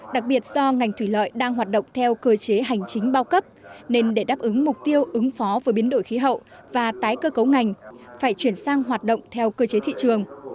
đặc biệt do ngành thủy lợi đang hoạt động theo cơ chế hành chính bao cấp nên để đáp ứng mục tiêu ứng phó với biến đổi khí hậu và tái cơ cấu ngành phải chuyển sang hoạt động theo cơ chế thị trường